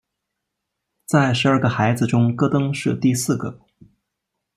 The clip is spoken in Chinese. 在十二个孩子中戈登是第四个。